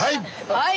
「はい！」。